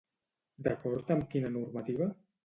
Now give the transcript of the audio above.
D'acord amb quina normativa?